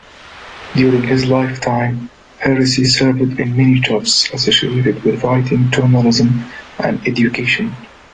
During his lifetime, Hersey served in many jobs associated with writing, journalism and education.